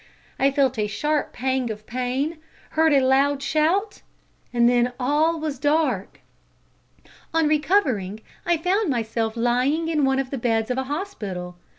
I felt a sharp pang of pain, heard a loud shout and then all was dark. "On recovering I found myself lying in one of the beds of a hospital.